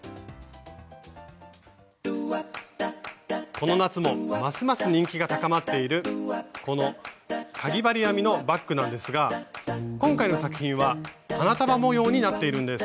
この夏もますます人気が高まっているこのかぎ針編みのバッグなんですが今回の作品は花束模様になっているんです。